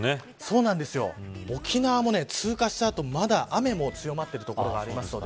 沖縄も通過したあと雨も強まっているところがあります。